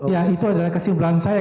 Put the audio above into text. ya itu adalah kesimpulan saya